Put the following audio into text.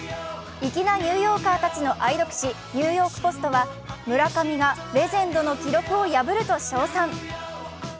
粋なニューヨーカーたちの愛読紙「ニューヨーク・ポスト」は村上がレジェンドの記録を破ると称賛。